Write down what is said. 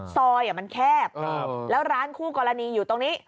ซอยมันแคบแล้วร้านคู่กรณีอยู่ตรงนี้